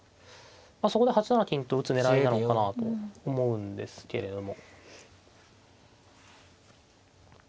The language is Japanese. そこで８七金と打つ狙いなのかなと思うんですけれども。